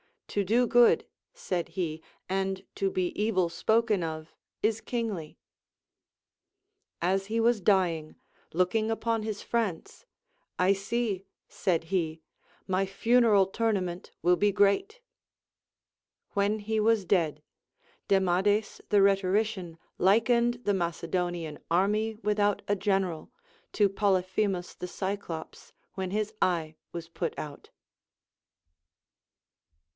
To do good, said he, and to be evil spoken of is kingly. As he was dying, looking upon his friends, I see, said he, my funeral tournament λυΙΙΙ be great. When he was dead, Demades the rhetorician likened the Macedonian army Avithout a general to Polyphemus the Cyclops when his eye Avas put out.